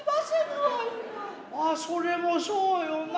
アアそれもそうよな。